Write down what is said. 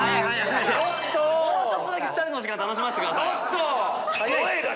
もうちょっとだけ２人の時間楽しませてくださいよ！